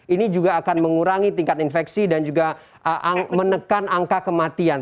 ini juga akan mengurangi tingkat infeksi dan juga menekan angka kematian